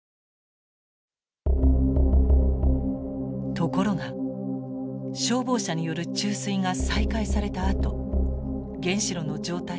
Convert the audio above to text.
ところが消防車による注水が再開されたあと原子炉の状態が悪化します。